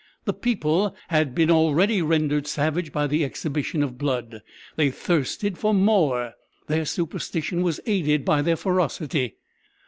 The people had been already rendered savage by the exhibition of blood; they thirsted for more; their superstition was aided by their ferocity.